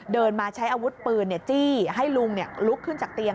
เดินมาใช้อาวุธปืนจี้ให้ลุงลุกขึ้นจากเตียง